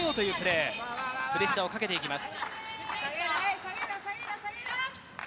プレッシャーをかけていきます。